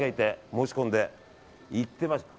申し込んで行ってました。